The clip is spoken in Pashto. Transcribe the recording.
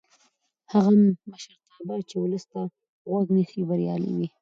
هغه مشرتابه چې ولس ته غوږ نیسي بریالی وي